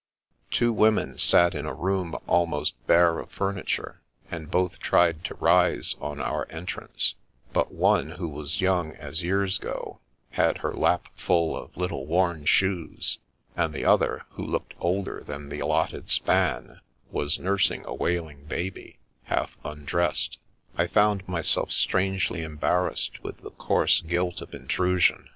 Two women sat in a room almost bare of furni ture, and both tried to rise on our entrance; but A Man from the Dark 199 one, who was young as years go, had her lap full of little worn shoes, and the other, who looked older than the allotted span, was nursing a wailing baby, half undressed. I found myself strangely embarrassed with the coarse guilt of intrusion.